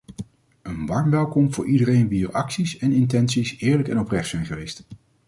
Een warm welkom voor iedereen wier acties en intenties eerlijk en oprecht zijn geweest.